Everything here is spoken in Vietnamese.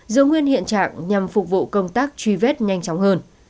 giữ nguyên hiện trạng nhằm phục vụ công tác truy vết nhanh chóng hơn